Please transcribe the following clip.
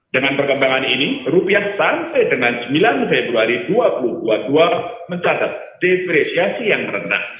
dengan perkembangan ini rupiah sampai dengan sembilan februari dua ribu dua puluh dua mencatat depresiasi yang rendah